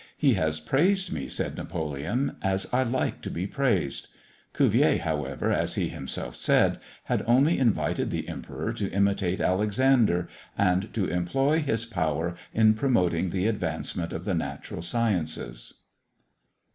"He has praised me," said Napoleon, "as I like to be praised." Cuvier, however, as he himself said, had only invited the Emperor to imitate Alexander, and to employ his power in promoting the advancement of the natural sciences.